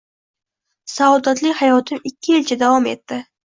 Saodatli hayotim ikki yilcha davom etdi.